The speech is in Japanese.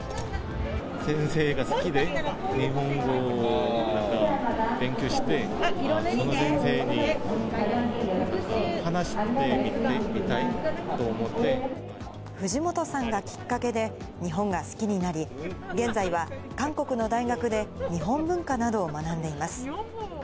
先生が好きで、日本語を勉強して、藤本さんがきっかけで日本が好きになり、現在は韓国の大学で日本文化などを学んでいます。